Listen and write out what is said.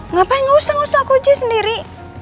ngapain gak usah gak usah aku aja sendiri